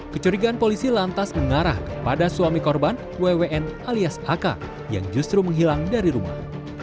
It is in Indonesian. kecurigaan polisi lantas mengarah kepada suami korban wwn alias ak yang justru menghilang dari rumah